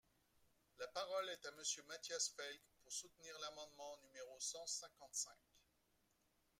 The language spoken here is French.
La parole est à Monsieur Matthias Fekl, pour soutenir l’amendement numéro cent cinquante-cinq.